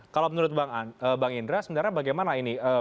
kalau menurut bang indra sebenarnya bagaimana ini